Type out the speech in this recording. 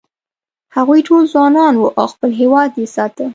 هغوی ټول ځوانان و او خپل هېواد یې ساته.